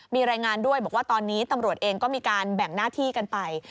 มีรายงานด้วยบอกว่าตอนนี้ตำรวจเองก็มีการแบ่งหน้าที่กันไป